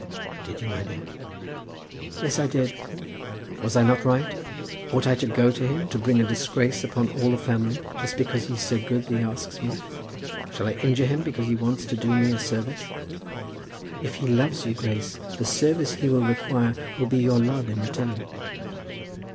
"Did you, my dear?" "Yes; I did. Was I not right? Ought I to go to him to bring a disgrace upon all the family, just because he is so good that he asks me? Shall I injure him because he wants to do me a service?" "If he loves you, Grace, the service he will require will be your love in return."